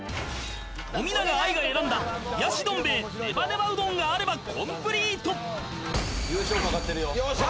冨永愛が選んだ冷やしどん兵衛ネバネバうどんがあればコンプリート優勝かかってるよよっしゃ！